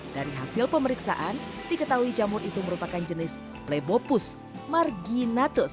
dari hasil pemeriksaan diketahui jamur itu merupakan jenis plebopus marginatus